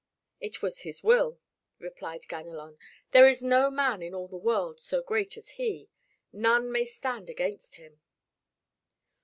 "It was his will," replied Ganelon. "There is no man in all the world so great as he. None may stand against him."